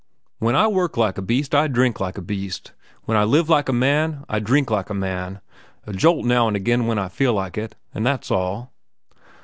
When I work like a beast, I drink like a beast. When I live like a man, I drink like a man—a jolt now an' again when I feel like it, an' that's all."